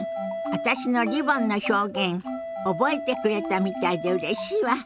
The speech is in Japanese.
私のリボンの表現覚えてくれたみたいでうれしいわ。